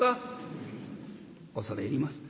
「恐れ入ります。